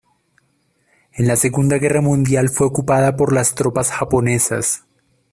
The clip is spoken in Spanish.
En la Segunda Guerra Mundial fue ocupada por las tropas japonesas.